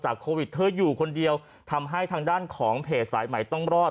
โควิดเธออยู่คนเดียวทำให้ทางด้านของเพจสายใหม่ต้องรอด